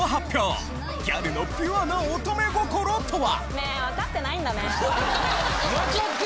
ギャルのピュアな乙女心とは？